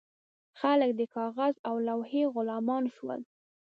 خلک د کاغذ او لوحې غلامان شول.